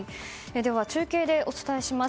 中継でお伝えします。